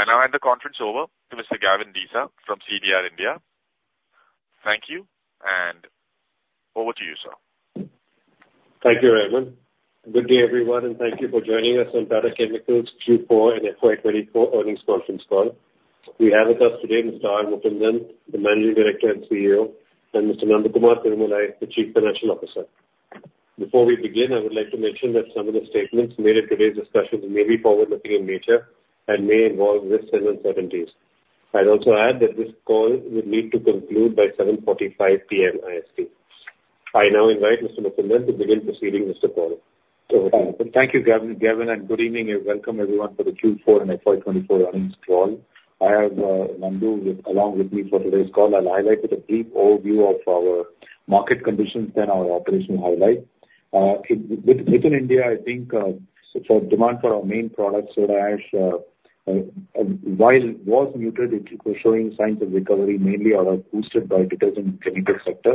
I now hand the conference over to Mr. Gavin Desa from CDR India. Thank you, and over to you, sir. Thank you, Raymond. Good day, everyone, and thank you for joining us on Tata Chemicals Q4 and FY 2024 earnings conference call. We have with us today, Mr. R. Mukundan, the Managing Director and CEO, and Mr. Nandakumar S. Tirumalai, the Chief Financial Officer. Before we begin, I would like to mention that some of the statements made in today's discussion may be forward-looking in nature and may involve risks and uncertainties. I'd also add that this call will need to conclude by 7:45 P.M. IST. I now invite Mr. Mukundan to begin proceeding this call. Thank you, Gavin, Gavin, and good evening and welcome everyone for the Q4 and FY 2024 earnings call. I have Nandu with, along with me for today's call. I'll highlight with a brief overview of our market conditions, then our operational highlights. Within India, I think, for demand for our main products, soda ash, while was muted, it was showing signs of recovery, mainly are boosted by detergent chemical sector.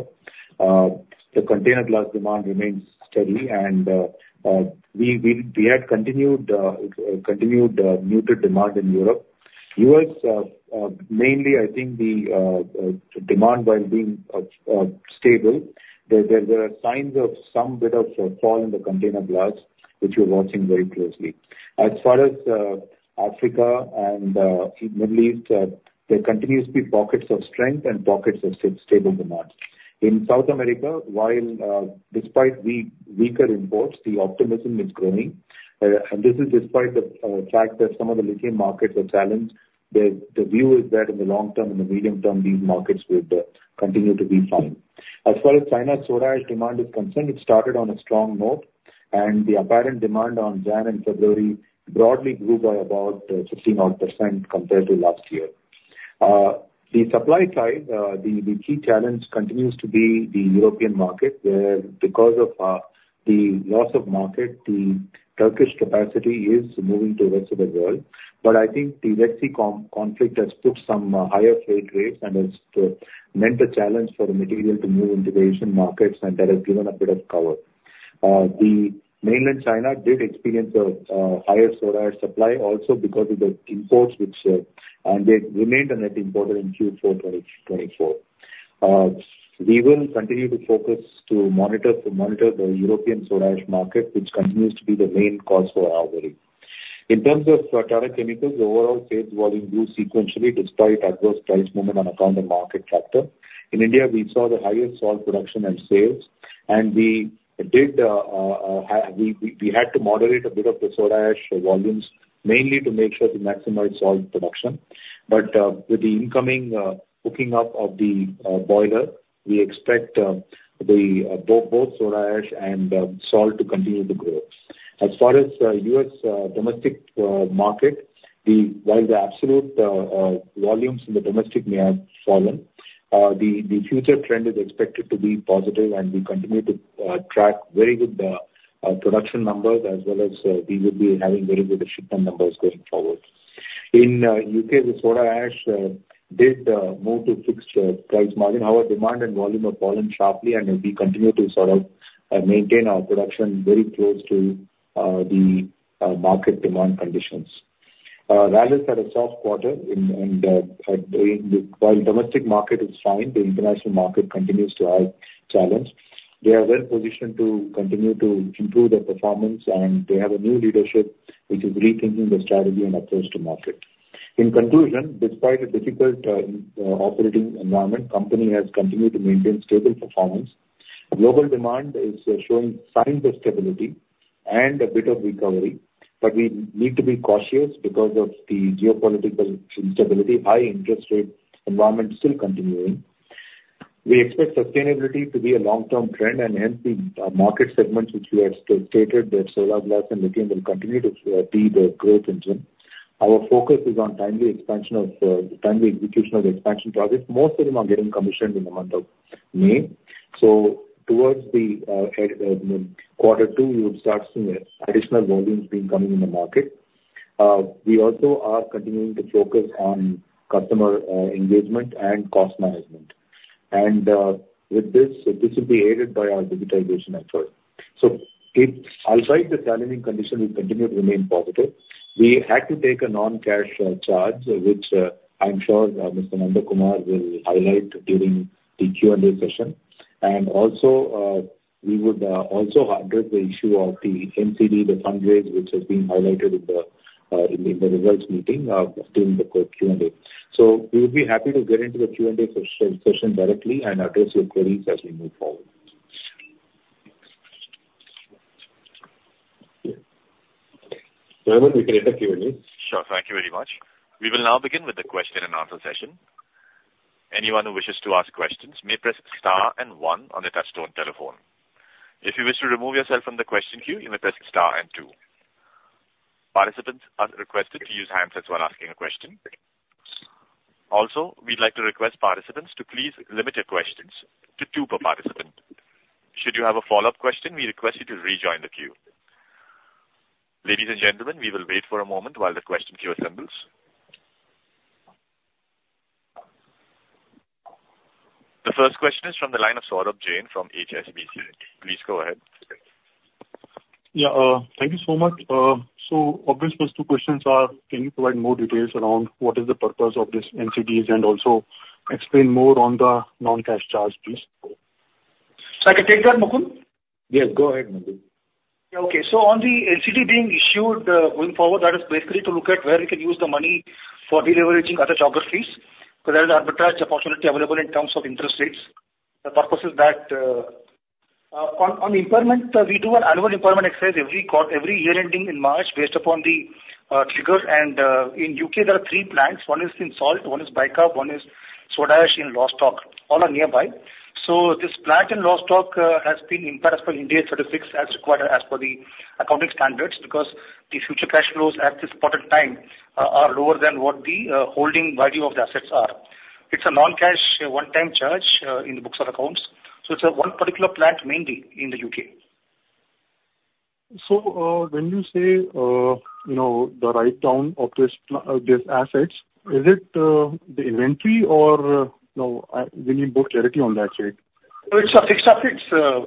The container glass demand remains steady, and we had continued muted demand in Europe. U.S., mainly I think the demand while being stable, there are signs of some bit of a fall in the container glass, which we're watching very closely. As far as Africa and Middle East, there continues to be pockets of strength and pockets of stable demand. In South America, while despite weaker imports, the optimism is growing, and this is despite the fact that some of the lithium markets are challenged. The view is that in the long term, in the medium term, these markets would continue to be fine. As far as China soda ash demand is concerned, it started on a strong note, and the apparent demand on January and February broadly grew by about 16%-odd compared to last year. The supply side, the key challenge continues to be the European market, where because of the loss of market, the Turkish capacity is moving to the rest of the world. But I think the Red Sea conflict has put some higher freight rates and has meant a challenge for the material to move into Asian markets, and that has given a bit of cover. The mainland China did experience a higher soda ash supply also because of the imports which and they remained a net importer in Q4 2024. We will continue to focus to monitor the European soda ash market, which continues to be the main cause for our worry. In terms of Tata Chemicals, the overall sales volume grew sequentially, despite adverse price movement on account of market factor. In India, we saw the highest salt production and sales, and we had to moderate a bit of the soda ash volumes, mainly to make sure to maximize salt production. But with the incoming hooking up of the boiler, we expect both soda ash and salt to continue to grow. As far as U.S. domestic market, while the absolute volumes in the domestic may have fallen, the future trend is expected to be positive, and we continue to track very good production numbers as well as we will be having very good shipment numbers going forward. In U.K., the soda ash did move to fixed price margin. However, demand and volume have fallen sharply, and we continue to sort of maintain our production very close to the market demand conditions. Rallis had a soft quarter and while domestic market is fine, the international market continues to have challenge. They are well positioned to continue to improve their performance, and they have a new leadership, which is rethinking the strategy and approach to market. In conclusion, despite a difficult operating environment, company has continued to maintain stable performance. Global demand is showing signs of stability and a bit of recovery, but we need to be cautious because of the geopolitical instability, high interest rate environment still continuing. We expect sustainability to be a long-term trend, and hence, the market segments which we have stated, that solar glass and lithium will continue to be the growth engine. Our focus is on timely expansion of timely execution of expansion projects, most of them are getting commissioned in the month of May. So towards the quarter two, you will start seeing additional volumes being coming in the market. We also are continuing to focus on customer engagement and cost management. And with this, this will be aided by our digitalization effort. So outside the challenging condition, we continue to remain positive. We had to take a non-cash charge, which I'm sure Mr. Nandakumar will highlight during the Q&A session. And also we would also address the issue of the NCD, the fundraise, which has been highlighted in the results meeting during the Q&A. So we would be happy to get into the Q&A session directly and address your queries as we move forward. Raymond, we can enter Q&A. Sure. Thank you very much. We will now begin with the question and answer session. Anyone who wishes to ask questions may press star and one on their touchtone telephone. If you wish to remove yourself from the question queue, you may press star and two. Participants are requested to use handset as well when asking a question. Also, we'd like to request participants to please limit your questions to two per participant. Should you have a follow-up question, we request you to rejoin the queue. Ladies and gentlemen, we will wait for a moment while the question queue assembles. ... Saurabh Jain from HSBC. Please go ahead. Yeah, thank you so much. So obvious first two questions are: Can you provide more details around what is the purpose of this NCDs? And also explain more on the non-cash charge, please. So I can take that, Mukundan? Yes, go ahead, Nandu. Yeah, okay. So on the NCD being issued, going forward, that is basically to look at where we can use the money for de-leveraging other geographies. So there is arbitrage opportunity available in terms of interest rates. The purpose is that, on the impairment, we do our annual impairment exercise every year, ending in March, based upon the trigger. And in U.K., there are three plants. One is in salt, one is bicarb, one is soda ash in Lostock, all are nearby. So this plant in Lostock has been impaired as per Ind AS as required as per the accounting standards, because the future cash flows at this point in time are lower than what the holding value of the assets are. It's a non-cash, one-time charge in the books of accounts, so it's one particular plant, mainly in the U.K.. When you say, you know, the write-down of these assets, is it the inventory? Or no, we need more clarity on that side. It's fixed assets,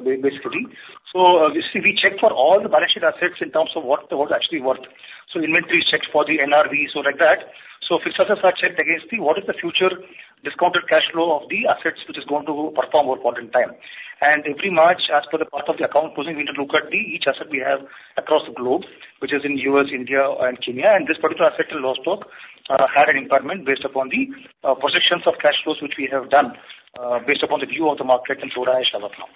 basically. So, you see, we check for all the balance sheet assets in terms of what, what actually work. So inventory checks for the NRV, so like that. So fixed assets are checked against the, what is the future discounted cash flow of the assets, which is going to perform over point in time. And every March, as per the part of the account closing, we need to look at the, each asset we have across the globe, which is in U.S., India, and Kenya. And this particular asset in Lostock had an impairment based upon the projections of cash flows, which we have done, based upon the view of the market and soda ash right now.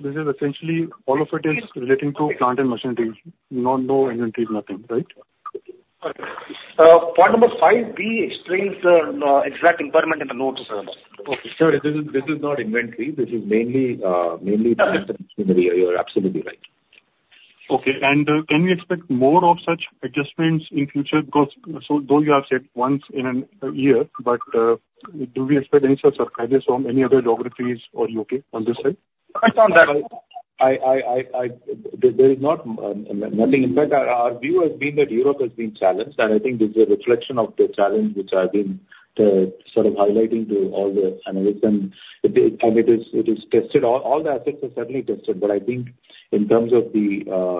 This is essentially all of it is relating to plant and machinery, no, no inventory, nothing, right? Point number five, we explain the exact impairment in the notes as well. Okay. Sir, this is, this is not inventory. This is mainly, mainly- Okay. And, can we expect more of such adjustments in future? Because so though you have said once in a year, but, do we expect any such surprises from any other geographies or U.K. on this side? I found that- There is not nothing. In fact, our view has been that Europe has been challenged, and I think this is a reflection of the challenge which I've been sort of highlighting to all the analysts. And it is tested. All the assets are certainly tested, but I think in terms of the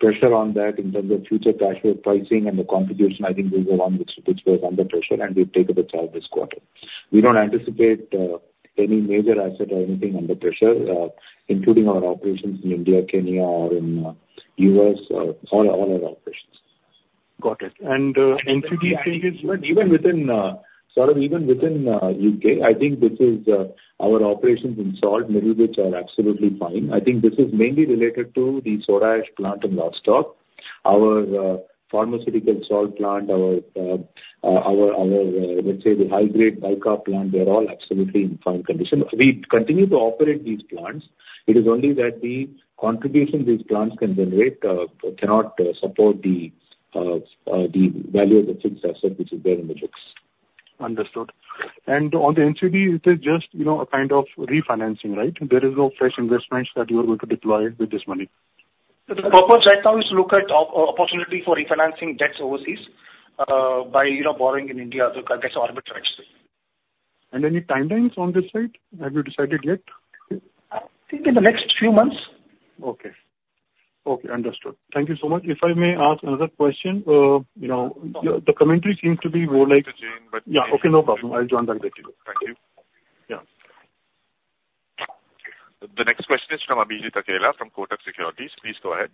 pressure on that, in terms of future cash flow pricing and the contribution, I think this is one which was under pressure, and we've taken the charge this quarter. We don't anticipate any major asset or anything under pressure, including our operations in India, Kenya, or in U.S., all our operations. Got it. And, NCD changes- But even within, sort of even within U.K., I think this is our operations in salt, middle bits are absolutely fine. I think this is mainly related to the soda ash plant in Lostock. Our pharmaceutical salt plant, our let's say the high-grade bicarb plant, they are all absolutely in fine condition. We continue to operate these plants. It is only that the contribution these plants can generate cannot the value of the fixed asset, which is there in the books. Understood. On the NCD, it is just, you know, a kind of refinancing, right? There is no fresh investments that you are going to deploy with this money. The purpose right now is to look at opportunity for refinancing debts overseas, by, you know, borrowing in India to get arbitrage. Any timelines on this side? Have you decided yet? I think in the next few months. Okay. Okay, understood. Thank you so much. If I may ask another question, you know, the commentary seems to be more like- The next question is from Abhijit Akella, from Kotak Securities. Please go ahead.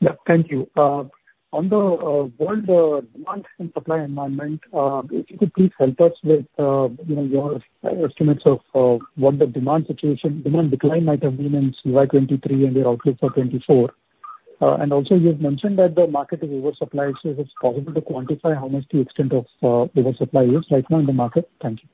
Yeah, thank you. On the world demand and supply environment, if you could please help us with, you know, your estimates of what the demand situation, demand decline might have been in FY 2023 and your outlook for 2024. And also, you've mentioned that the market is oversupply, so is it possible to quantify how much the extent of oversupply is right now in the market? Thank you.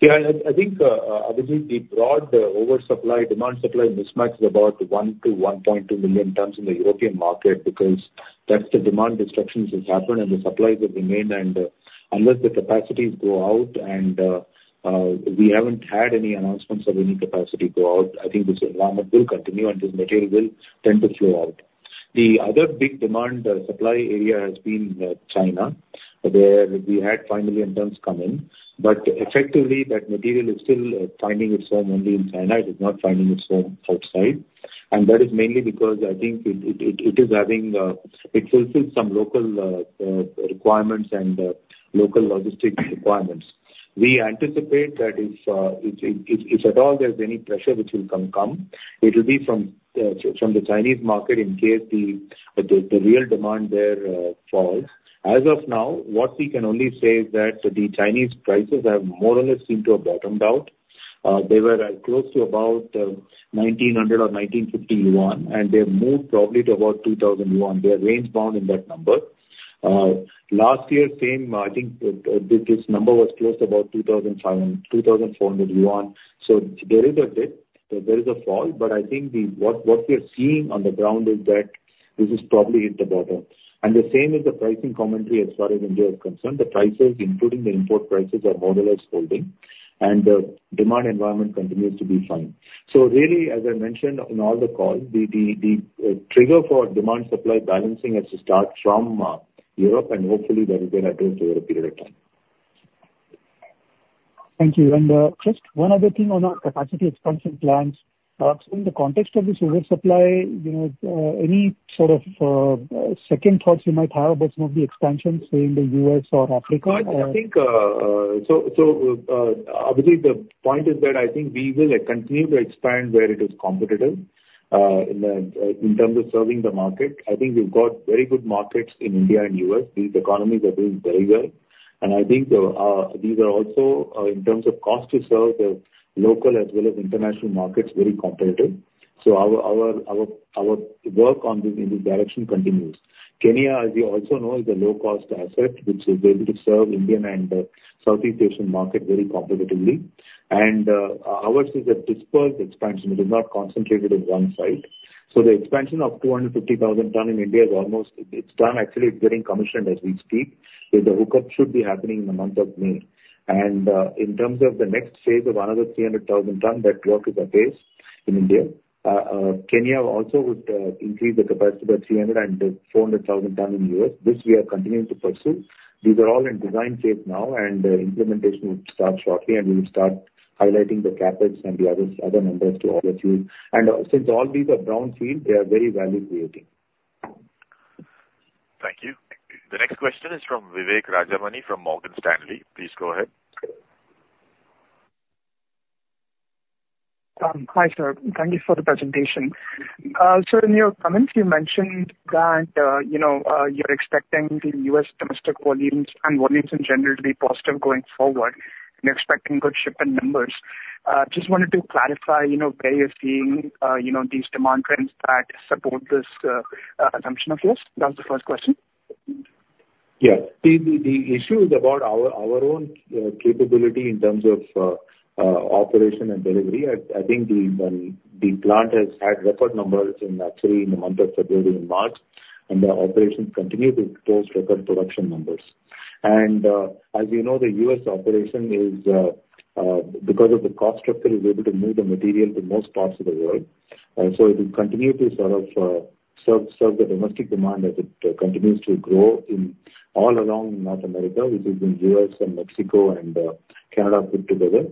Yeah, I think, Abhijit, the broad oversupply demand-supply mismatch is about 1 million tons-1.2 million tons in the European market, because that's the demand disruptions which happened and the supplies have remained. And unless the capacities go out and we haven't had any announcements of any capacity go out, I think this environment will continue and this material will tend to flow out. The other big demand-supply area has been China, where we had 5 million tons come in. But effectively, that material is still finding its home only in China. It is not finding its home outside. And that is mainly because I think it fulfills some local requirements and local logistics requirements. We anticipate that if at all there's any pressure which will come, it will be from the Chinese market in case the real demand there falls. As of now, what we can only say is that the Chinese prices have more or less seem to have bottomed out. They were at close to about 1,900 or 1,950 yuan, and they've moved probably to about 2,000 yuan. They are range bound in that number. Last year, this number was close to about 2,500, 2,400 yuan. So there is a dip, there is a fall, but I think what we are seeing on the ground is that this is probably hit the bottom. The same is the pricing commentary as far as India is concerned. The prices, including the import prices, are more or less holding. And the demand environment continues to be fine. So really, as I mentioned in all the calls, the trigger for demand supply balancing has to start from Europe, and hopefully that will get addressed over a period of time. Thank you. Just one other thing on our capacity expansion plans. In the context of this oversupply, you know, any sort of second thoughts you might have about some of the expansions say in the U.S. or Africa or- I think, so, I believe the point is that I think we will continue to expand where it is competitive, in terms of serving the market. I think we've got very good markets in India and U.S. These economies are doing very well. And I think, these are also, in terms of cost to serve the local as well as international markets, very competitive. So our work on this in this direction continues. Kenya, as you also know, is a low-cost asset which is able to serve Indian and Southeast Asian market very competitively. And, ours is a dispersed expansion. It is not concentrated in one site. So the expansion of 250,000 tons in India is almost, it's done, actually it's getting commissioned as we speak. So the hookup should be happening in the month of May. In terms of the next phase of another 300,000 tons, that work is apace in India. Kenya also would increase the capacity by 300,000 tons-400,000 tons in U.S.. This we are continuing to pursue. These are all in design phase now, and implementation would start shortly, and we will start highlighting the CapEx and the other, other numbers to all of you. And since all these are brownfield, they are very value-creating. Thank you. The next question is from Vivek Rajamani from Morgan Stanley. Please go ahead. Hi, sir. Thank you for the presentation. So in your comments, you mentioned that, you know, you're expecting the U.S. domestic volumes and volumes in general to be positive going forward and expecting good shipment numbers. Just wanted to clarify, you know, where you're seeing, you know, these demand trends that support this, assumption of yours? That's the first question. Yeah. The issue is about our own capability in terms of operation and delivery. I think the plant has had record numbers actually in the month of February and March, and the operations continue to post record production numbers. As you know, the U.S. operation is, because of the cost structure, able to move the material to most parts of the world. So it will continue to sort of serve the domestic demand as it continues to grow all along North America, which is in U.S. and Mexico and Canada put together.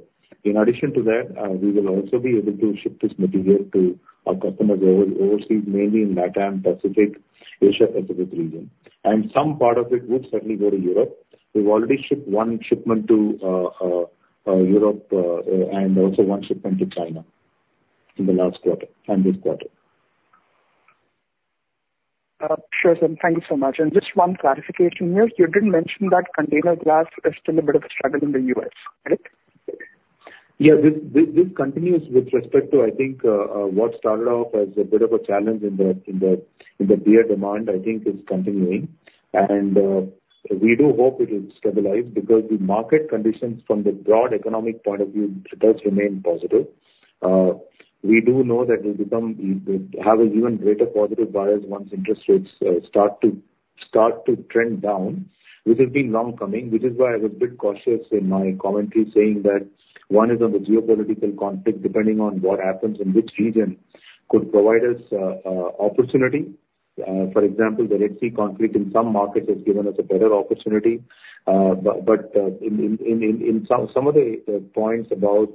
In addition to that, we will also be able to ship this material to our customers overseas, mainly in LATAM, Pacific, Asia Pacific region, and some part of it would certainly go to Europe. We've already shipped one shipment to Europe, and also one shipment to China in the last quarter, and this quarter. Sure, sir. Thank you so much. Just one clarification here, you didn't mention that container glass is still a bit of a struggle in the U.S., correct? Yeah. This continues with respect to, I think, what started off as a bit of a challenge in the beer demand, I think is continuing. We do hope it will stabilize because the market conditions from the broad economic point of view does remain positive. We do know that it will become, have an even greater positive bias once interest rates, start to trend down, which has been long coming. Which is why I was a bit cautious in my commentary, saying that one is on the geopolitical conflict, depending on what happens in which region, could provide us, opportunity. For example, the Red Sea conflict in some markets has given us a better opportunity. But in some of the points about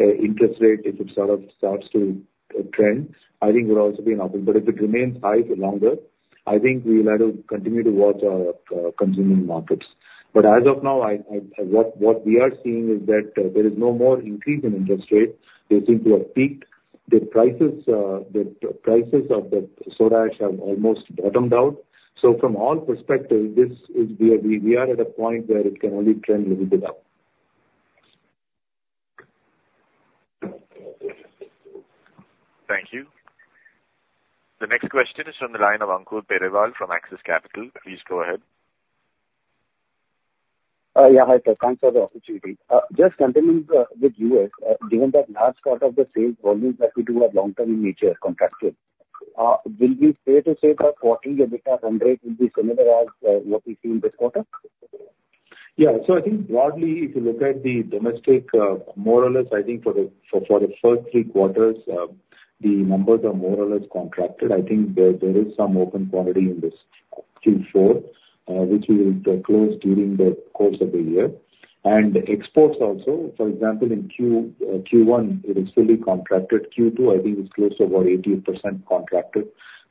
interest rate, if it sort of starts to trend, I think will also be an opportunity. But if it remains high for longer, I think we will have to continue to watch our continuing markets. But as of now, what we are seeing is that there is no more increase in interest rates. They seem to have peaked. The prices of the soda ash have almost bottomed out. So from all perspectives, this is where we are at a point where it can only trend a little bit up. Thank you. The next question is from the line of Ankur Periwal from Axis Capital. Please go ahead. Yeah. Hi, sir, thanks for the opportunity. Just continuing with U.S., given that large part of the sales volumes that we do are long-term in nature, contracted, will we say to say that quarterly EBITDA run rate will be similar as what we see in this quarter? Yeah. So I think broadly, if you look at the domestic, more or less, I think for the first three quarters, the numbers are more or less contracted. I think there is some open quantity in this Q4, which we will close during the course of the year. And exports also, for example, in Q1, it is fully contracted. Q2, I think, is close to about 80% contracted.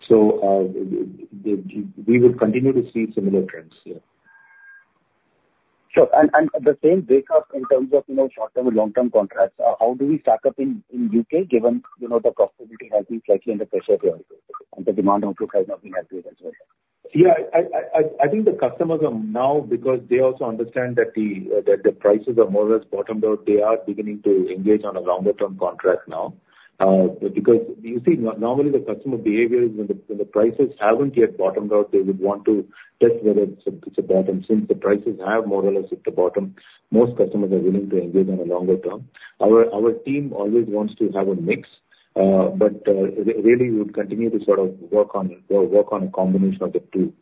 So we would continue to see similar trends here. Sure. And the same breakup in terms of, you know, short-term and long-term contracts, how do we stack up in the U.K., given, you know, the profitability has been slightly under pressure there, and the demand profile has not been as good as well? Yeah, I think the customers are now, because they also understand that the prices are more or less bottomed out, they are beginning to engage on a longer term contract now. Because you see, normally the customer behavior is when the prices haven't yet bottomed out, they would want to test whether it's a bottom. Since the prices have more or less hit the bottom, most customers are willing to engage on a longer term. Our team always wants to have a mix... but really, we would continue to sort of work on a combination of the two.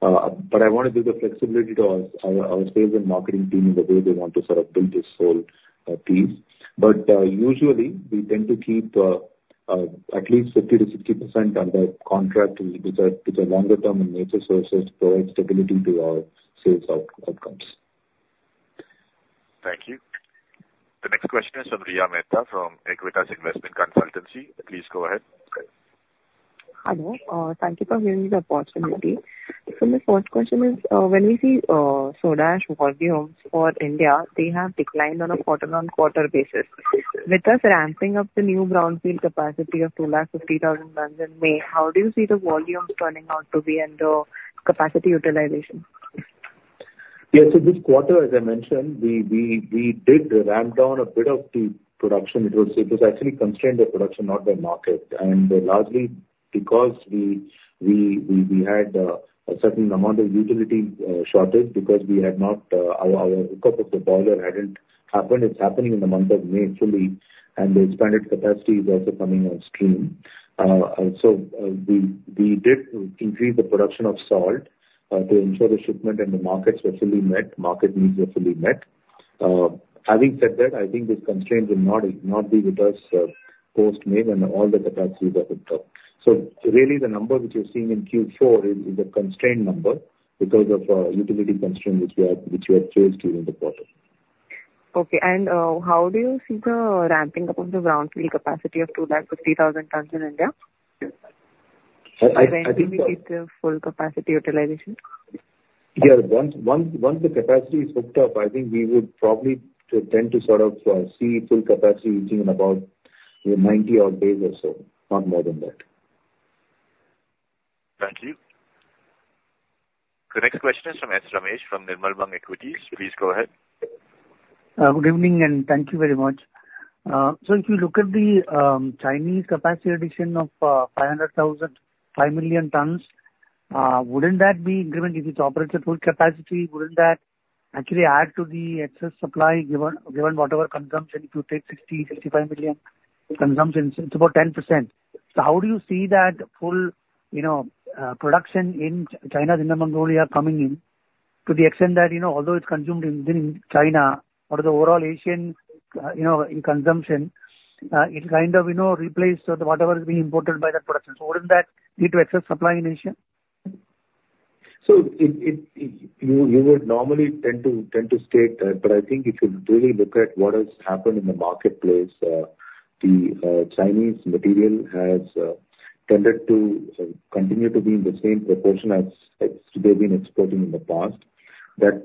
But I want to give the flexibility to our sales and marketing team in the way they want to sort of build this whole piece. Usually we tend to keep at least 50%-60% under contract, which are, which are longer term in nature, so as to provide stability to our sales outcomes. Thank you. The next question is from Riya Mehta, from Aequitas Investment Consultancy. Please go ahead. Hello, thank you for giving me the opportunity. My first question is, when we see soda ash volumes for India, they have declined on a quarter-on-quarter basis. With us ramping up the new brownfield capacity of 250,000 tons in May, how do you see the volumes turning out to be under capacity utilization? Yeah, so this quarter, as I mentioned, we did ramp down a bit of the production. It was actually constrained by production, not by market, and largely because we had a certain amount of utility shortage because our hookup of the boiler hadn't happened. It's happening in the month of May, actually, and the expanded capacity is also coming on stream. Also, we did increase the production of salt to ensure the shipment and the markets were fully met, market needs were fully met. Having said that, I think this constraint will not be with us post-May when all the capacities are hooked up. So really, the number which you're seeing in Q4 is a constrained number because of utility constraints which we had faced during the quarter. Okay. How do you see the ramping up of the brownfield capacity of 250,000 tons in India? I think- By then, do we get the full capacity utilization? Yeah. Once, once, once the capacity is hooked up, I think we would probably tend to sort of see full capacity reaching in about 90-odd days or so, not more than that. Thank you. The next question is from S Ramesh, from Nirmal Bang Equities. Please go ahead. Good evening, and thank you very much. So if you look at the Chinese capacity addition of 5 million tons, wouldn't that be given if it operates at full capacity, wouldn't that actually add to the excess supply, given whatever consumption, if you take 60 million-65 million consumption, it's about 10%. So how do you see that full, you know, production in China, Inner Mongolia, coming in, to the extent that, you know, although it's consumed within China, what are the overall Asian, you know, in consumption, it kind of, you know, replaced with whatever is being imported by that production. So wouldn't that lead to excess supply in Asia? So you would normally tend to state, but I think if you really look at what has happened in the marketplace, the Chinese material has tended to continue to be in the same proportion as they've been exporting in the past. That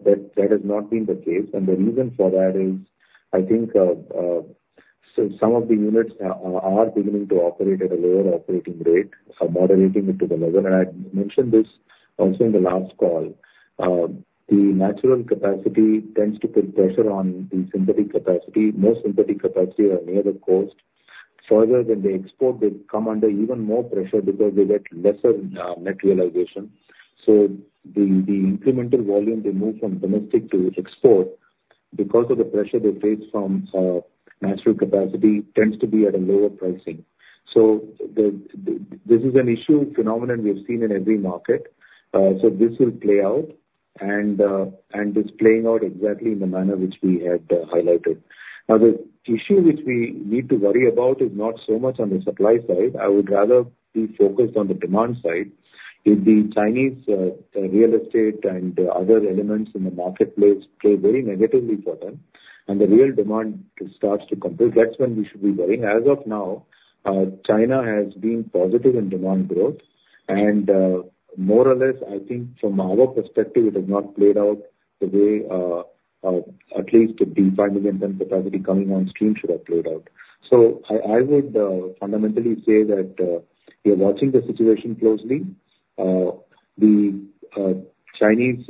has not been the case, and the reason for that is, I think, so some of the units are beginning to operate at a lower operating rate, are moderating it to the level. And I mentioned this also in the last call, the natural capacity tends to put pressure on the synthetic capacity. Most synthetic capacity are near the coast. Further, when they export, they come under even more pressure because they get lesser net realization. So the incremental volume, they move from domestic to export. Because of the pressure they face from natural capacity, tends to be at a lower pricing. So the this is an issue, phenomenon we have seen in every market, so this will play out, and and it's playing out exactly in the manner which we had highlighted. Now, the issue which we need to worry about is not so much on the supply side. I would rather be focused on the demand side. If the Chinese real estate and other elements in the marketplace play very negatively for them, and the real demand starts to compress, that's when we should be worrying. As of now, China has been positive in demand growth, and, more or less, I think from our perspective, it has not played out the way, at least the 5 million ton capacity coming on stream should have played out. So I would fundamentally say that we are watching the situation closely. The Chinese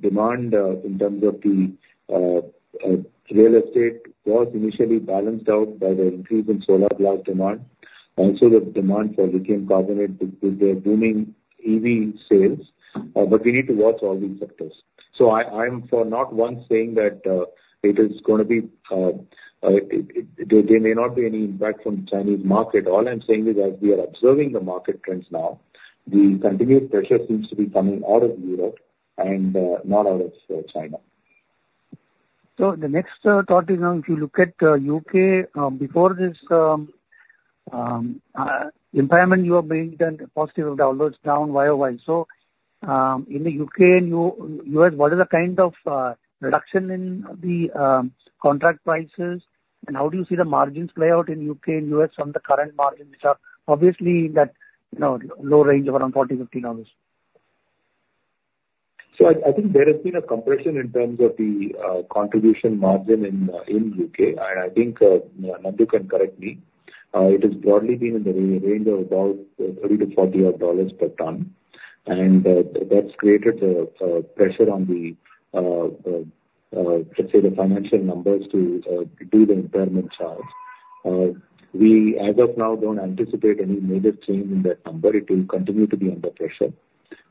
demand in terms of the real estate was initially balanced out by the increase in solar glass demand. Also, the demand for lithium carbonate with the booming EV sales, but we need to watch all these sectors. So I, I'm for not once saying that it is gonna be, there may not be any impact from the Chinese market at all. All I'm saying is that we are observing the market trends now. The continued pressure seems to be coming out of Europe and, not out of, China. So the next thought is, now, if you look at U.K., before this impairment, you are being done positive down, year-over-year. So, in the U.K. and U.S., what is the kind of reduction in the contract prices, and how do you see the margins play out in U.K. and U.S. from the current margins, which are obviously in that, you know, low range of around $40-$50? So I think there has been a compression in terms of the contribution margin in the U.K. And I think Nandu can correct me, it has broadly been in the range of about $30-$40 odd per ton. And that's created a let's say the financial numbers to do the impairment charge. We as of now don't anticipate any major change in that number. It will continue to be under pressure.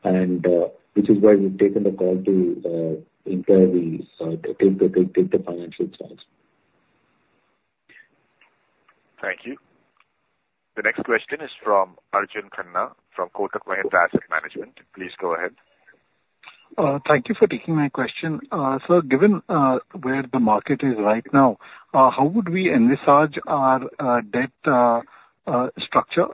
And which is why we've taken the call to take the financial charge. Thank you. The next question is from Arjun Khanna from Kotak Mahindra Asset Management. Please go ahead. Thank you for taking my question. So given where the market is right now, how would we envisage our debt structure?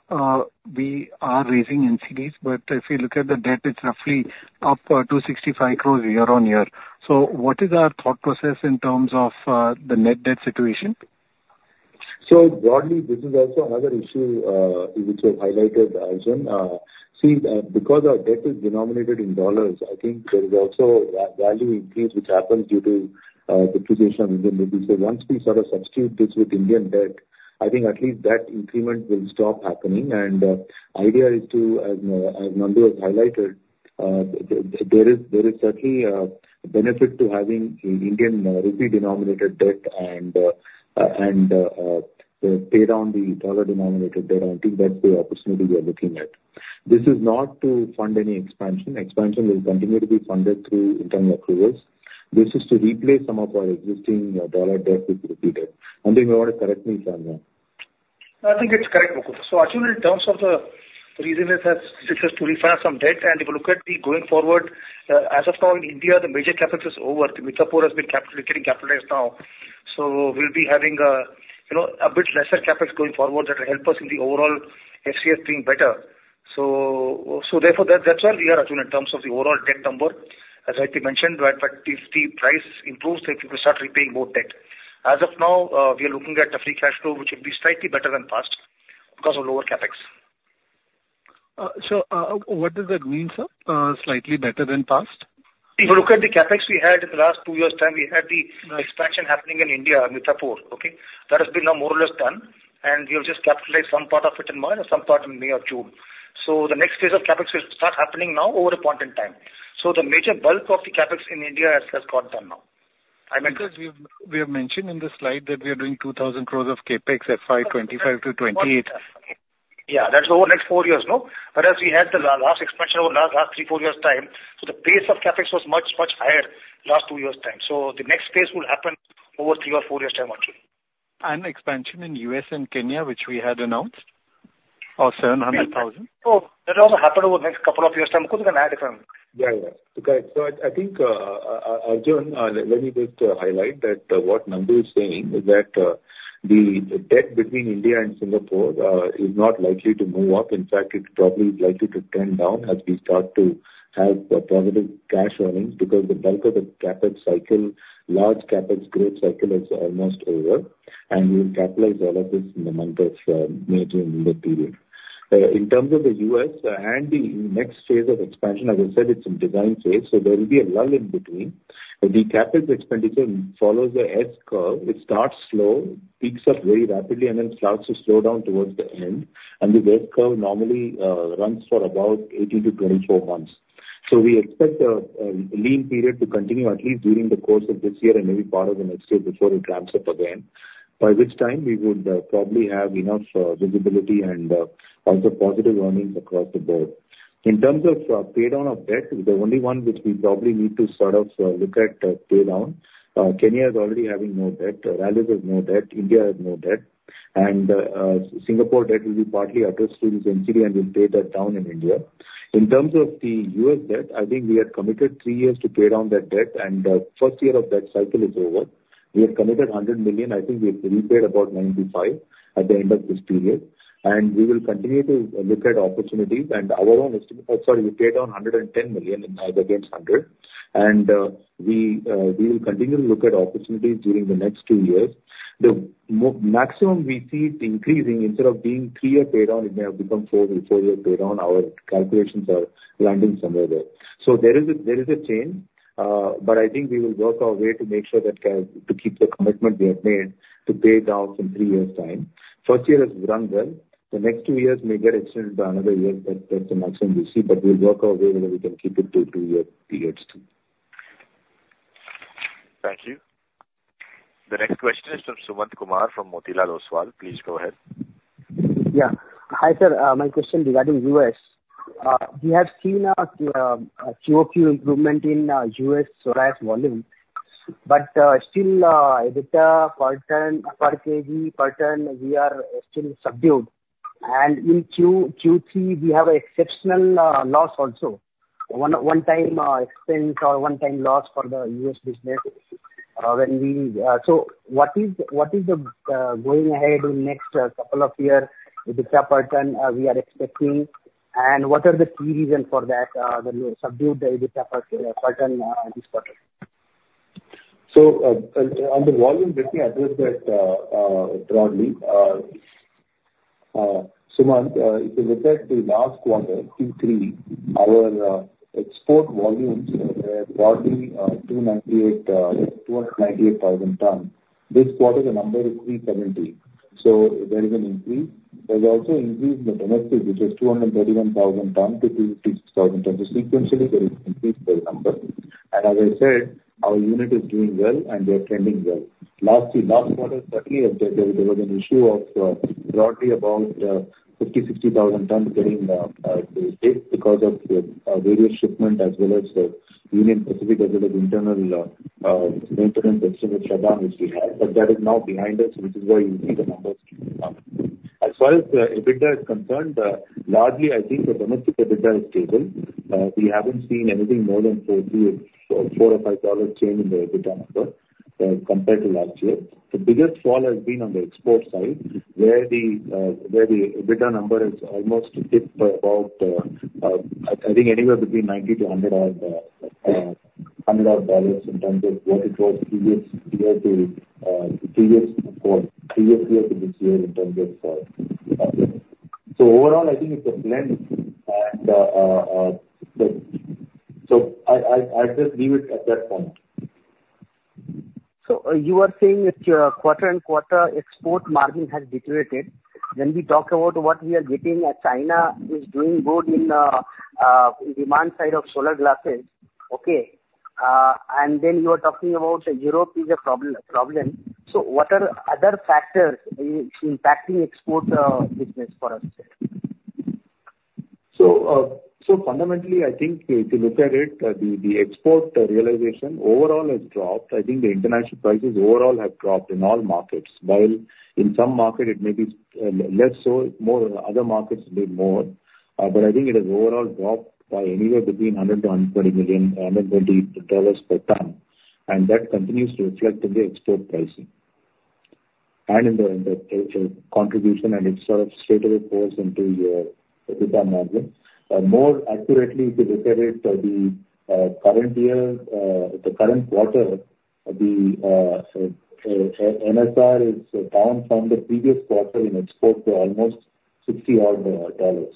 We are raising NCDs, but if you look at the debt, it's roughly up to 65 crore year-on-year. So what is our thought process in terms of the net debt situation? So broadly, this is also another issue, which you have highlighted, Arjun. See, because our debt is denominated in U.S. dollars, I think there is also a value increase which happens due to, depreciation of Indian rupee. So once we sort of substitute this with Indian debt, I think at least that increment will stop happening. And, idea is to, as, as Nandu has highlighted, there is, there is certainly, benefit to having an Indian rupee-denominated debt and, and, pay down the U.S. dollar-denominated debt. I think that's the opportunity we are looking at. This is not to fund any expansion. Expansion will continue to be funded through internal accruals. This is to replace some of our existing, dollar debt with rupee debt. Nandu, you may want to correct me if I'm wrong. I think it's correct, Mukundan. So actually, in terms of the reason is that it is to refile some debt, and if you look at the going forward, as of now in India, the major CapEx is over. Mithapur has been capital getting capitalized now. So we'll be having, you know, a bit lesser CapEx going forward. That will help us in the overall FCF being better. So, therefore, that's where we are actually in terms of the overall debt number. As I already mentioned, but if the price improves, then people start repaying more debt. As of now, we are looking at a free cash flow, which would be slightly better than past, because of lower CapEx. So, what does that mean, sir? Slightly better than past? If you look at the CapEx we had in the last two years' time, we had the expansion happening in India, Mithapur, okay? That has been now more or less done, and we have just capitalized some part of it in March and some part in May or June. So the next phase of CapEx will start happening now over a point in time. So the major bulk of the CapEx in India has, has got done now. I mean- Because we have mentioned in the slide that we are doing 2,000 crores of CapEx at 5, 25-28. Yeah, that's over next four years, no? Whereas we had the last expansion over last, last three, four years' time, so the pace of CapEx was much, much higher last two years' time. So the next phase will happen over three or four years' time actually. Expansion in the U.S. and Kenya, which we had announced, are 700,000. Oh, that will also happen over the next couple of years' time, because we can add different. Yeah, yeah. Okay. So I think, Arjun, let me just highlight that what Nandu is saying is that the debt between India and Singapore is not likely to move up. In fact, it's probably likely to trend down as we start to have positive cash earnings. Because the bulk of the CapEx cycle, large CapEx growth cycle is almost over, and we will capitalize all of this in the month of May, June in that period. In terms of the U.S. and the next phase of expansion, as I said, it's in design phase, so there will be a lull in between. The CapEx expenditure follows the S curve: It starts slow, peaks up very rapidly, and then starts to slow down towards the end. And the S curve normally runs for about 18-24 months. So we expect a lean period to continue at least during the course of this year and maybe part of the next year before it ramps up again, by which time we would probably have enough visibility and also positive earnings across the board. In terms of paydown of debt, the only one which we probably need to sort of look at paydown, Kenya is already having no debt. Maldives has no debt. India has no debt. And Singapore debt will be partly addressed through this NCD, and we'll pay that down in India. In terms of the U.S. debt, I think we had committed three years to pay down that debt, and first year of that cycle is over. We have committed $100 million. I think we have repaid about $95 million at the end of this period, and we will continue to look at opportunities and our own estimate. Sorry, we paid down $110 million against $100, and we will continue to look at opportunities during the next two years. The maximum we see it increasing, instead of being three-year paydown, it may have become four, a four-year paydown. Our calculations are landing somewhere there. So there is a change, but I think we will work our way to make sure that can, to keep the commitment we have made to pay down in three years' time. First year has run well. The next two years may get extended by another year, but that's the maximum we see, but we'll work our way, and we can keep it to two-year periods, too. Thank you. The next question is from Sumant Kumar, from Motilal Oswal. Please go ahead. Yeah. Hi, sir. My question regarding U.S.. We have seen a QOQ improvement in U.S. solar volume, but still EBITDA per ton per KG per ton we are still subdued. And in Q3, we have exceptional loss also, one-time expense or one-time loss for the U.S. business when we... So what is the going ahead in next couple of year EBITDA per ton we are expecting? And what are the key reasons for that the subdued EBITDA per per ton this quarter? So, on the volume, let me address that, broadly. Sumant, if you look at the last quarter, Q3, our export volumes were broadly 298, 298,000 tons. This quarter, the number is 370. So there is an increase. There's also increase in the domestic, which is 231,000 tons to 266,000 tons. So sequentially, there is increased by number. And as I said, our unit is doing well, and we are trending well. Last quarter, thirty, there was an issue of broadly about 50,000 tons-60,000 tons getting late because of the various shipment as well as the Union Pacific, as well as internal maintenance and shutdown, which we had. But that is now behind us, which is why you see the numbers coming up. As far as the EBITDA is concerned, largely, I think the domestic EBITDA is stable. We haven't seen anything more than $44-$45 change in the EBITDA number, compared to last year. The biggest fall has been on the export side, where the EBITDA number has almost dipped by about, I think anywhere between $90-$100 in terms of what it was previous year to previous quarter, previous year to this year in terms of... So overall, I think it's a blend, and, so I, I'll just leave it at that point. So, you are saying that your quarter-over-quarter export margin has deteriorated. When we talk about what we are getting at, China is doing good in the demand side of solar glass, okay? And then you are talking about Europe is a problem, problem. So what are other factors impacting export business for us here? So, fundamentally, I think if you look at it, the export realization overall has dropped. I think the international prices overall have dropped in all markets. While in some market it may be, less so, more other markets may be more, but I think it has overall dropped by anywhere between $100 million-$120 million, $120 per ton, and that continues to reflect in the export pricing. And in the contribution and it sort of straightaway falls into your EBITDA margin. More accurately, if you look at it, the current year, the current quarter, so, NSR is down from the previous quarter in export to almost $60-odd.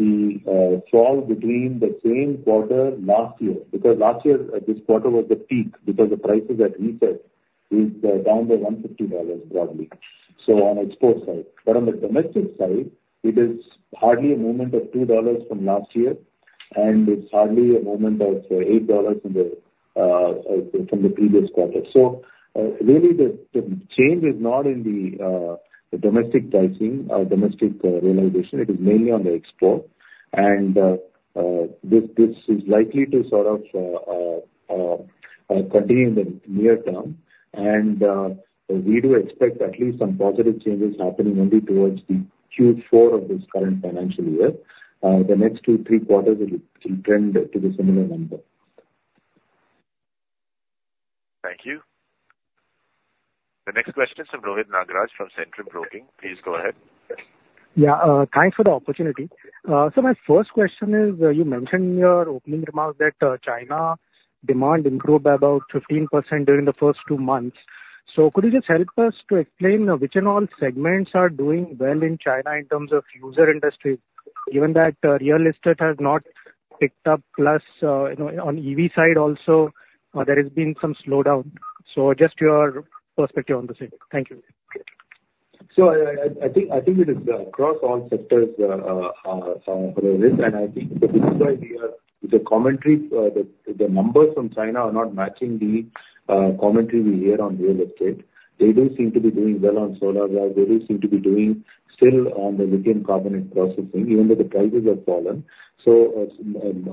The fall between the same quarter last year, because last year, this quarter was the peak, because the prices at reset is down by $150 broadly, so on export side. But on the domestic side, it is hardly a movement of $2 from last year, and it's hardly a movement of $8 from the previous quarter. Really, the change is not in the domestic pricing or domestic realization, it is mainly on the export. This is likely to sort of continue in the near term. We do expect at least some positive changes happening only towards the Q4 of this current financial year. The next two, three quarters will trend to the similar number. Thank you. The next question is from Rohit Nagaraj, from Centrum Broking. Please go ahead. Yeah, thanks for the opportunity. So my first question is, you mentioned in your opening remarks that, China demand improved by about 15% during the first two months. So could you just help us to explain, which in all segments are doing well in China in terms of user industry, given that, real estate has not picked up, plus, you know, on EV side also, there has been some slowdown. So just your perspective on the same. Thank you. So I think it is across all sectors, Rohit, and I think this is why the commentary, the numbers from China are not matching the commentary we hear on real estate. They do seem to be doing well on solar glass. They do seem to be doing still on the lithium carbonate processing, even though the prices have fallen. So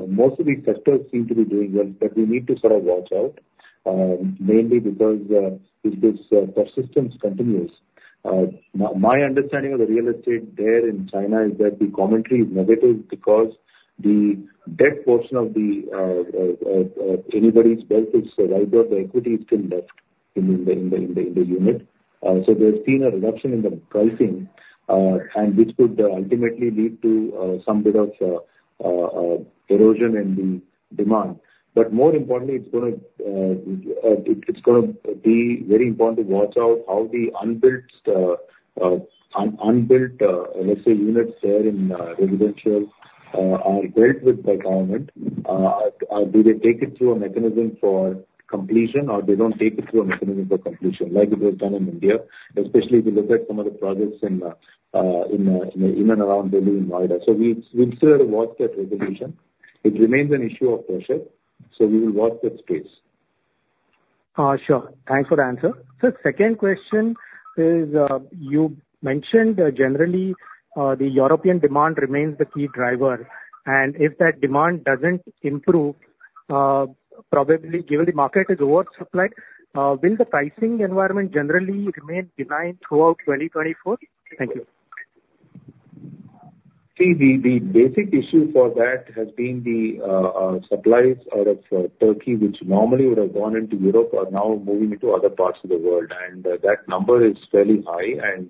most of these sectors seem to be doing well, but we need to sort of watch out, mainly because if this persistence continues. My understanding of the real estate there in China is that the commentary is negative because the debt portion of anybody's balance sheet is wider, the equity is still left in the unit. So there's been a reduction in the pricing, and which could ultimately lead to some bit of erosion in the demand. But more importantly, it's gonna be very important to watch out how the unbuilt units there in residential are dealt with by government. Do they take it through a mechanism for completion, or they don't take it through a mechanism for completion, like it was done in India? Especially if you look at some of the projects in and around Delhi, Noida. So we still got to watch that resolution. It remains an issue of pressure, so we will watch that space. Sure. Thanks for the answer. Second question is, you mentioned generally the European demand remains the key driver, and if that demand doesn't improve, probably given the market is oversupplied, will the pricing environment generally remain benign throughout 2024? Thank you. See, the basic issue for that has been the supplies out of Turkey, which normally would have gone into Europe, are now moving into other parts of the world. And that number is fairly high, and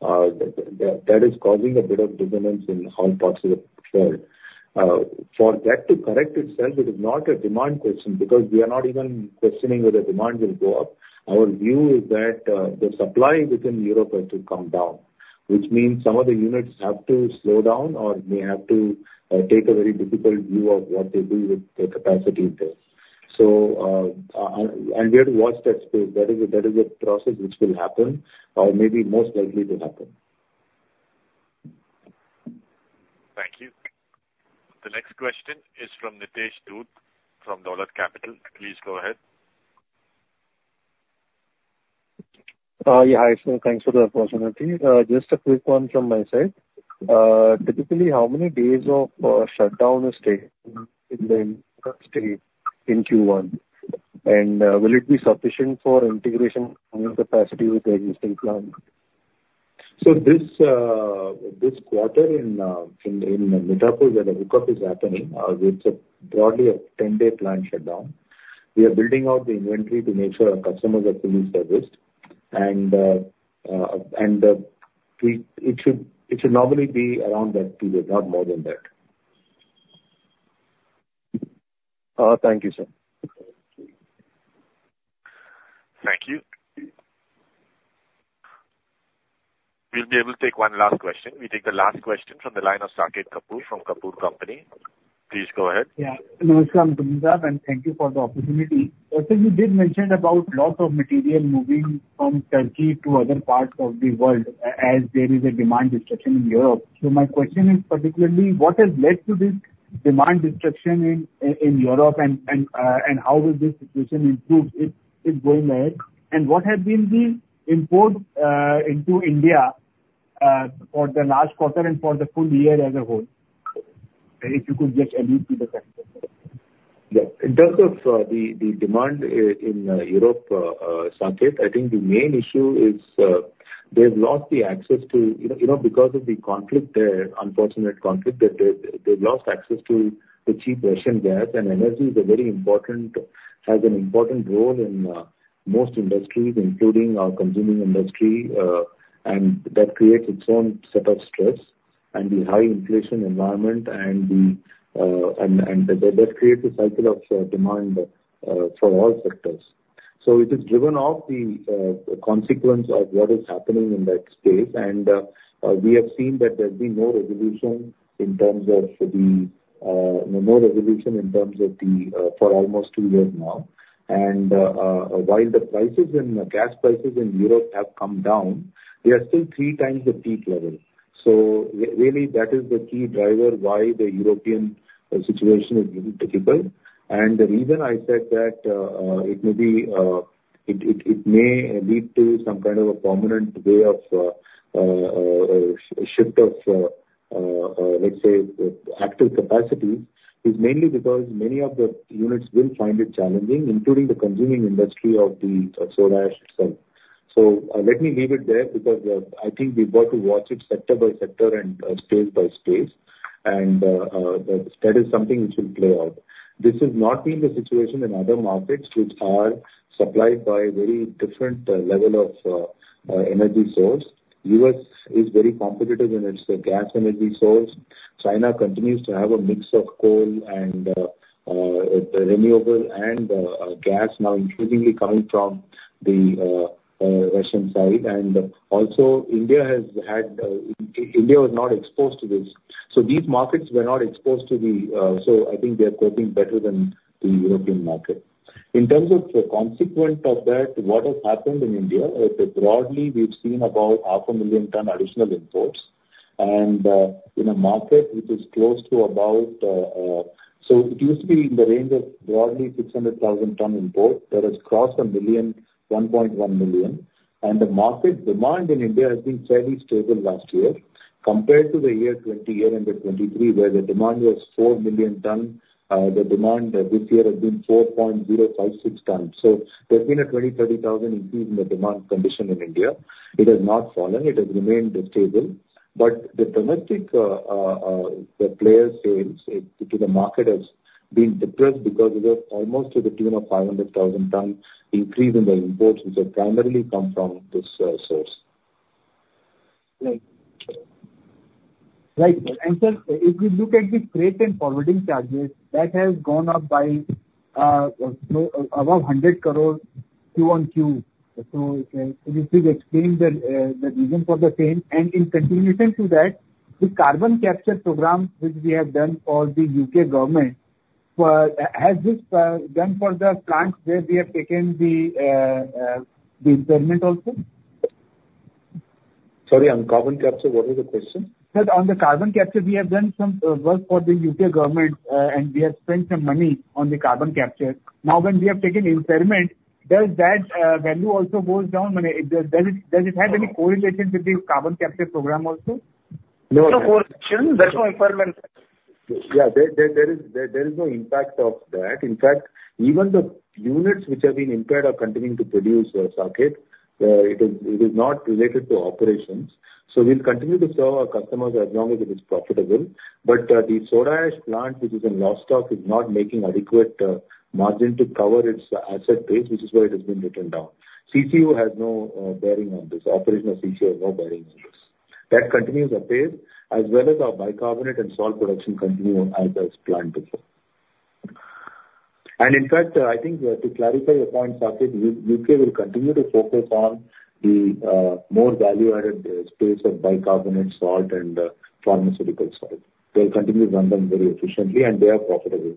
that is causing a bit of dissonance in all parts of the world. For that to correct itself, it is not a demand question, because we are not even questioning whether demand will go up. Our view is that the supply within Europe has to come down, which means some of the units have to slow down or may have to take a very difficult view of what they do with the capacity there. So, and we have to watch that space. That is a process which will happen, or maybe most likely will happen. Thank you. The next question is from Nitesh Dhoot from Dolat Capital. Please go ahead. Yeah, hi, sir. Thanks for the opportunity. Just a quick one from my side. Typically, how many days of shutdown is taken in the state, in Q1? And, will it be sufficient for integration of capacity with the existing plant? So this quarter in Mithapur, where the hookup is happening, it's broadly a 10-day plant shutdown. We are building out the inventory to make sure our customers are fully serviced. It should normally be around that period, not more than that. Thank you, sir. Thank you. We'll be able to take one last question. We take the last question from the line of Saket Kapoor, from Kapoor Company. Please go ahead. Yeah. Namaskar, Mukundan, and thank you for the opportunity. Also, you did mention about lots of material moving from Turkey to other parts of the world, as there is a demand disruption in Europe. My question is particularly, what has led to this demand disruption in Europe, and how will this situation improve going ahead? What has been the import into India for the last quarter and for the full year as a whole? Yeah. In terms of the demand in Europe, Saket, I think the main issue is they've lost the access to... You know, you know, because of the conflict there, unfortunate conflict, that they've lost access to the cheap Russian gas. And energy is a very important, has an important role in most industries, including our consuming industry, and that creates its own set of stress, and the high inflation environment and that creates a cycle of demand for all sectors. So it is driven off the consequence of what is happening in that space. And we have seen that there's been no resolution in terms of the no resolution in terms of the for almost two years now. While the prices and gas prices in Europe have come down, they are still three times the peak level. So really, that is the key driver why the European situation is really difficult. And the reason I said that, it may be, it may lead to some kind of a permanent way of, a shift of, let's say, active capacity, is mainly because many of the units will find it challenging, including the consuming industry of the soda ash itself. So, let me leave it there, because, I think we've got to watch it sector by sector and, that is something which will play out. This has not been the situation in other markets, which are supplied by a very different level of energy source. The U.S. is very competitive in its gas energy source. China continues to have a mix of coal and renewable and gas now increasingly coming from the Russian side. And also, India has had. India was not exposed to this. So these markets were not exposed to the. So I think they are coping better than the European market. In terms of the consequence of that, what has happened in India, broadly, we've seen about 500,000 tons additional imports. And, in a market which is close to about, so it used to be in the range of broadly 600,000 tons import. That has crossed a million, 1.1 million. The market demand in India has been fairly stable last year. Compared to the year 2020, year end of 2023, where the demand was 4 million tons, the demand this year has been 4.056 million tons. There's been a 20 to 30 thousand increase in the demand condition in India. It has not fallen, it has remained stable. But the domestic supply to the market has been depressed because it was almost to the tune of 500,000 tons increase in the imports, which have primarily come from this source. Right. Right. And sir, if you look at the freight and forwarding charges, that has gone up by above 100 crore, Q-on-Q. So, could you please explain the reason for the same? And in continuation to that, the carbon capture program, which we have done for the U.K. government, has this done for the plants where we have taken the impairment also? Sorry, on carbon capture, what was the question? Sir, on the carbon capture, we have done some work for the U.K. government, and we have spent some money on the carbon capture. Now, when we have taken impairment, does that value also goes down? I mean, does it have any correlation with the carbon capture program also? No. No correlation. There's no impairment. Yeah, there is no impact of that. In fact, even the units which have been impaired are continuing to produce, Saket. It is not related to operations. So we'll continue to serve our customers as long as it is profitable. But, the soda ash plant, which is in Lostock, is not making adequate margin to cover its asset base, which is why it has been written down. CCU has no bearing on this. Operation of CCU has no bearing on this. That continues apace, as well as our bicarbonate and salt production continue as was planned before.... And in fact, I think, to clarify your point, Saket, U.K. will continue to focus on the more value-added space of bicarbonate, salt, and pharmaceutical salt. They'll continue to run them very efficiently, and they are profitable.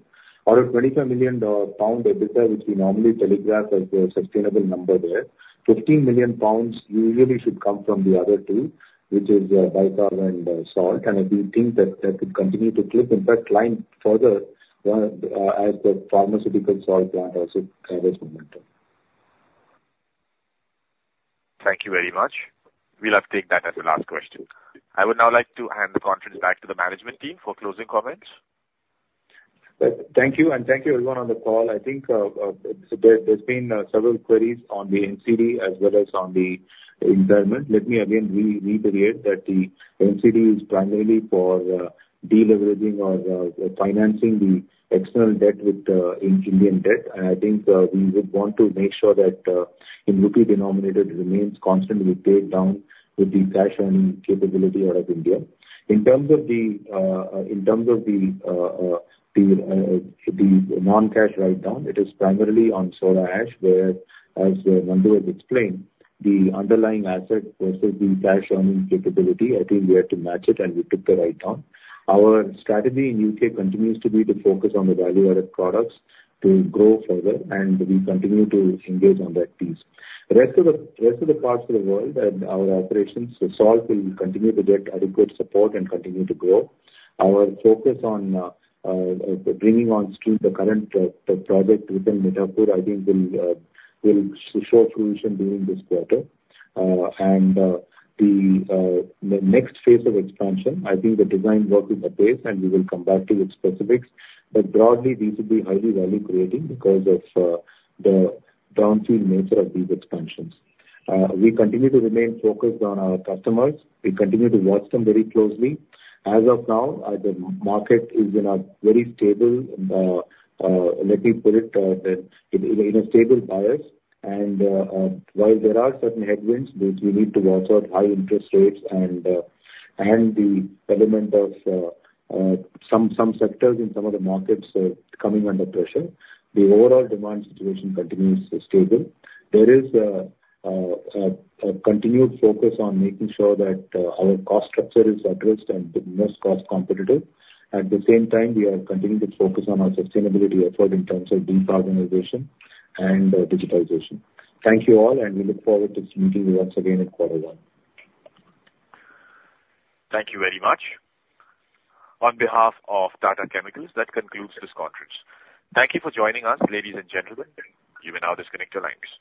Out of 25 million pound EBITDA, which we normally telegraph as a sustainable number there, 15 million pounds usually should come from the other two, which is bicarb and salt. And I do think that, that could continue to click, in fact, climb further, as the pharmaceutical salt plant also gathers momentum. Thank you very much. We'll have to take that as the last question. I would now like to hand the conference back to the management team for closing comments. Thank you, and thank you everyone on the call. I think, there's been several queries on the NCD as well as on the impairment. Let me again reiterate that the NCD is primarily for de-leveraging or financing the external debt with in Indian debt. And I think, we would want to make sure that, in rupee denominator, it remains constant with pay down with the cash earning capability out of India. In terms of the non-cash write down, it is primarily on soda ash, where, as Nandu has explained, the underlying asset versus the cash earning capability, I think we had to match it, and we took the write down. Our strategy in U.K. continues to be to focus on the value-added products to grow further, and we continue to engage on that piece. The rest of the parts of the world and our operations, the salt will continue to get adequate support and continue to grow. Our focus on bringing on stream the current project within Mithapur, I think will show fruition during this quarter. And the next phase of expansion, I think the design work is in place, and we will come back to its specifics. But broadly, these will be highly value creating because of the downstream nature of these expansions. We continue to remain focused on our customers. We continue to watch them very closely. As of now, the market is in a very stable, let me put it, that in, in a stable bias. While there are certain headwinds, which we need to watch out, high interest rates and, and the element of, some sectors in some of the markets, coming under pressure, the overall demand situation continues stable. There is a continued focus on making sure that our cost structure is addressed and the most cost competitive. At the same time, we are continuing to focus on our sustainability effort in terms of decarbonization and digitalization. Thank you all, and we look forward to meeting you once again in quarter one. Thank you very much. On behalf of Tata Chemicals, that concludes this conference. Thank you for joining us, ladies and gentlemen. You may now disconnect your lines.